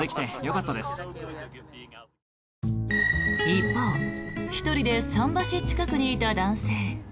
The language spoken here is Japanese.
一方１人で桟橋近くにいた男性。